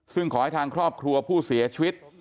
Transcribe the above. ซึ่งขอให้ทางครอบครัวผู้เสียชีวิต